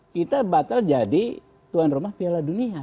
kita batal jadi tuan rumah piala dunia